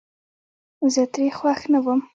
زه ترې خوښ نه ووم